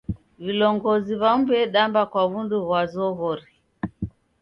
Vilongozi w'amu w'edamba kwa w'undu ghwa zoghori.